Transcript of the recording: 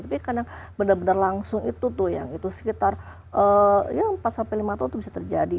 tapi kadang benar benar langsung itu tuh yang itu sekitar ya empat sampai lima tahun itu bisa terjadi